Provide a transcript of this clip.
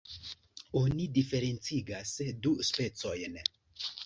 Oni diferencigas du specojn.